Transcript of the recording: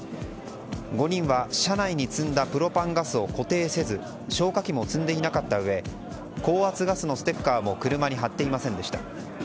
５人は車内に積んだプロパンガスを固定せず消火器も積んでいなかったうえ高圧ガスのステッカーを車に貼っていませんでした。